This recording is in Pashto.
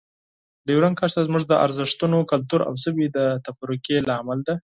ډیورنډ کرښه زموږ د ارزښتونو، کلتور او ژبې د تفرقې لامل ده.